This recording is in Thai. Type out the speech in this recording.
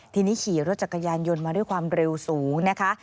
ทีนี้ขี่รถจักรยานยนต์มาด้วยความเร็วสูงนะคะ